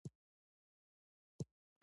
يوه تېره هېره کلمه ده